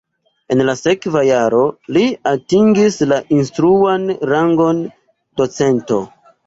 En la sekva jaro li atingis la instruan rangon docento.